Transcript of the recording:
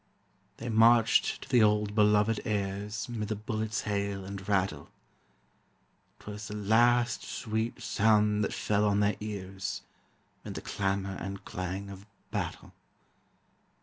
They marched to the old belovèd airs 'Mid the bullets' hail and rattle; 'Twas the last sweet sound that fell on their ears 'Mid the clamor and clang of battle.